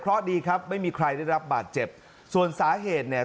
เพราะดีครับไม่มีใครได้รับบาดเจ็บส่วนสาเหตุเนี่ย